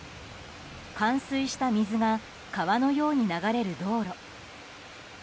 冠水した水が川のように流れる道路。